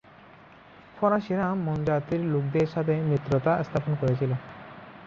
ফরাসিরা মন জাতির লোকদের সাথে মিত্রতা স্থাপন করেছিল।